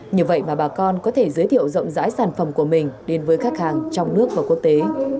như vậy mà bà con có thể giới thiệu rộng rãi sản phẩm của mình đến với khách hàng trong nước và quốc tế